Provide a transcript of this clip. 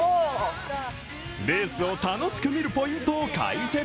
レースを楽しく見るポイントを解説。